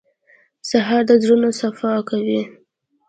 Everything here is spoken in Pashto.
سهار د زړونو صفا کوي.